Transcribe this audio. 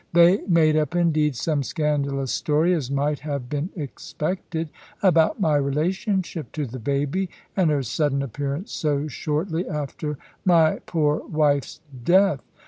They made up, indeed, some scandalous story, as might have been expected, about my relationship to the baby, and her sudden appearance so shortly after my poor wife's death.